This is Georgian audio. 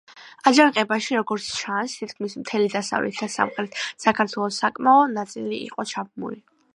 აჯანყებაში, როგორც ჩანს, თითქმის მთელი დასავლეთ და სამხრეთ საქართველოს საკმაო ნაწილი იყო ჩაბმული.